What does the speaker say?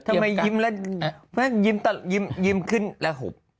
ทำไมยิ้มแล้วยิ้มขึ้นระหุบ